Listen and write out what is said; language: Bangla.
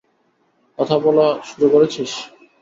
কথা বলা শুরু করেছিস?